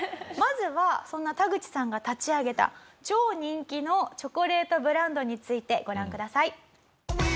まずはそんなタグチさんが立ち上げた超人気のチョコレートブランドについてご覧ください。